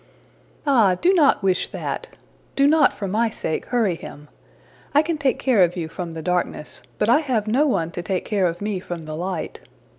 '' ``Ah! do not wish that. Do not, for my sake, hurry him. I can take care of you from the darkness, but I have no one to take care of me from the light.